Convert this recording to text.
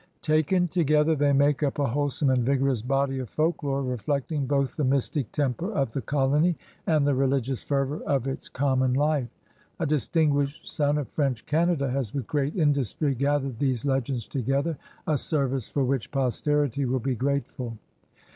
Taken together, they make up a wholesome and vigorous body of folklore, reflecting both the mystic temper of the colony and the religious fervor of its common 222 CRUSADERS OP NEW FRANCE life. A distinguished son of French Canada has with great industry gathered these legends to gether, a service for which posterity will be grateful.'